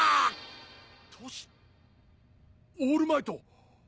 トシオールマイト！